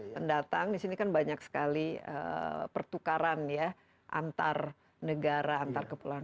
pendatang disini kan banyak sekali pertukaran ya antar negara antar kepulauan